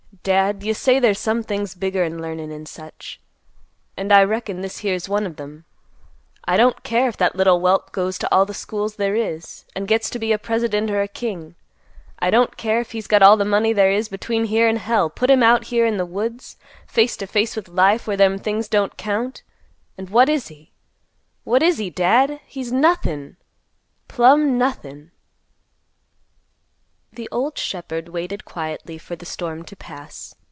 "Dad, you say there's some things bigger'n learnin', and such, and I reckon this here's one of them. I don't care if that little whelp goes to all the schools there is, and gets to be a president or a king; I don't care if he's got all the money there is between here and hell; put him out here in the woods, face to face with life where them things don't count, and what is he? What is he, Dad? He's nothin'! plumb nothin'!" The old shepherd waited quietly for the storm to pass.